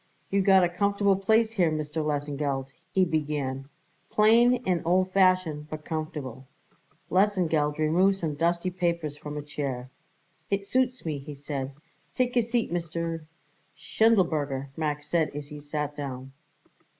"You got a comfortable place here, Mr. Lesengeld," he began, "plain and old fashioned, but comfortable." Lesengeld removed some dusty papers from a chair. "It suits me," he said. "Take a seat, Mr. " "Schindelberger," Max said as he sat down.